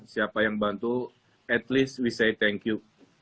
siapa yang bantu setidaknya kita bilang terima kasih